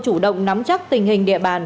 chủ động nắm chắc tình hình địa bàn